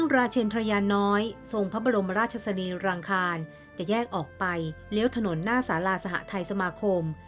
ราชินทรยาน้อยทรงพระบรมราชสดีรังคารจะแยกออกไปเลี้ยวถนนหน้าสาราสหทัยสมาคม